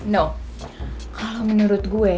no kalo menurut gue